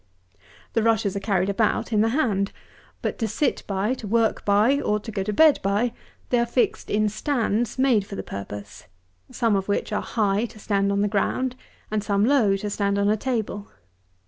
196. The rushes are carried about in the hand; but to sit by, to work by, or to go to bed by, they are fixed in stands made for the purpose, some of which are high to stand on the ground, and some low, to stand on a table.